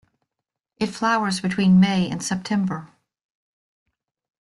It flowers between May and September.